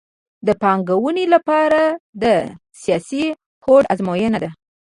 د پانګونې لپاره د سیاسي هوډ ازموینه ده